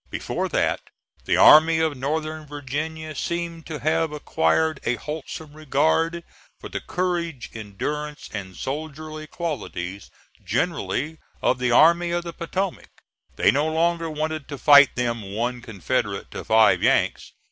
Before that, the Army of Northern Virginia seemed to have acquired a wholesome regard for the courage, endurance, and soldierly qualities generally of the Army of the Potomac. They no longer wanted to fight them "one Confederate to five Yanks."